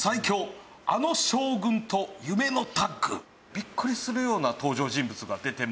ビックリするような登場人物が出て参ります。